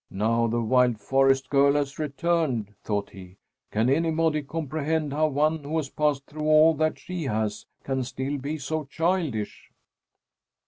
"Now the wild forest girl has returned," thought he. "Can anybody comprehend how one who has passed through all that she has can still be so childish?"